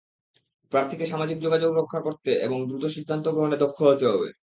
প্রার্থীকে সামাজিক যোগাযোগ রক্ষা এবং দ্রুত সিদ্ধান্ত গ্রহণে দক্ষ হতে হবে।